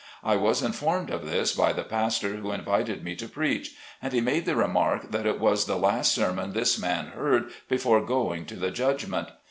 I was informed of this by the pastor who invited me to preach ; and he made the remark that it was the last sermon this man heard before going to the judgment.